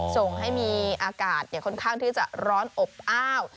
ส่งให้มีอากาศค่อนข้างที่จะร้อนอบอ้าว